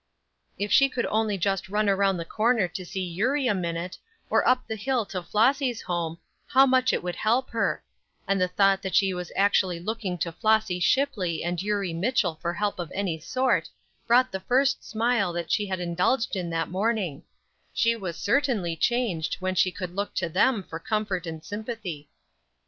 If she could only just run around the corner to see Eurie a minute, or up the hill to Flossy's home, how much it would help her; and the thought that she was actually looking to Flossy Shipley and Eurie Mitchell for help of any sort brought the first smile that she had indulged in that morning; she was certainly changed when she could look to them for comfort or sympathy.